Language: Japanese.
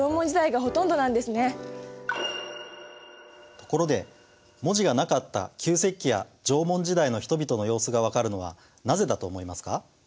ところで文字がなかった旧石器や縄文時代の人々の様子が分かるのはなぜだと思いますか？